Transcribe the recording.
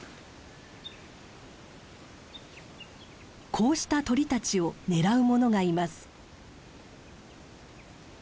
こうした鳥たちを狙うものがいます。